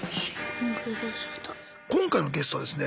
今回のゲストはですねね